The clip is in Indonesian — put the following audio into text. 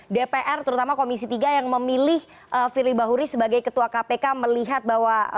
dpr terutama komisi tiga yang memilih firly bahuri sebagai ketua kpk melihat bahwa